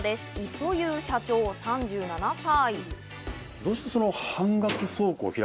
磯遊社長、３７歳。